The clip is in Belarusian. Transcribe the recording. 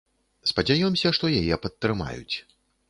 Спадзяёмся, што яе падтрымаюць.